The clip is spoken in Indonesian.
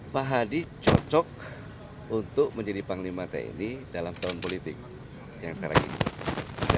pak hadi cocok untuk menjadi panglima tni dalam tahun politik yang sekarang ini